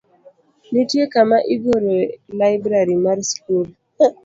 Nitie kama igeroe laibrari mar skul.